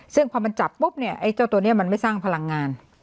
ซึ่งพอมันจับปุ๊บเนี่ยไอ้เจ้าตัวนี้มันไม่สร้างพลังงาน